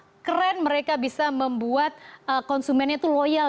kemudian seberapa keren mereka bisa membuat konsumennya loyal